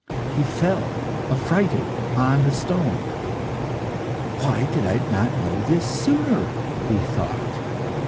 He fell, affrighted, on the stone. "Why did I not know this sooner?" he thought.